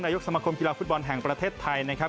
ยกสมคมกีฬาฟุตบอลแห่งประเทศไทยนะครับ